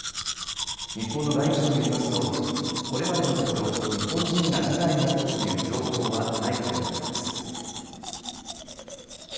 日本の外務省によりますとこれまでのところ日本人が被害に遭ったという情報はないということです。